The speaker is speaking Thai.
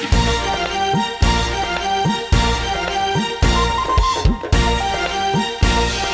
แชมป์สายนี้มันก็น่าจะไม่ไกลมือเราสักเท่าไหร่ค่ะ